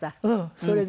それでね